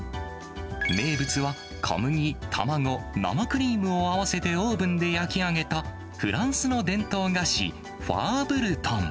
名物は、小麦、卵、生クリームを合わせてオーブンで焼き上げたフランスの伝統菓子、ファーブルトン。